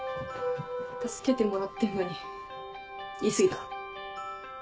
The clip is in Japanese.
助けてもらってんのに言い過ぎた。